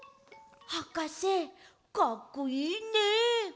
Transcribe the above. はかせかっこいいね！